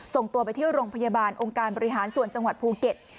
ส่งตัวไปที่โรงพยาบาลองค์การบริหารส่วนจังหวัดภูเก็ต